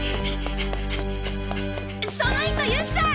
その人ユキさん！